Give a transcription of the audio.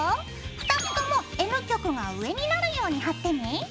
２つともＮ極が上になるように貼ってね。